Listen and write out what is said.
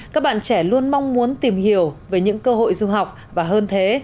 các bạn trẻ luôn mong muốn tìm hiểu về những cơ hội du học và hơn thế